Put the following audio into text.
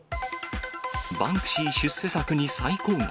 バンクシー出世作に最高額。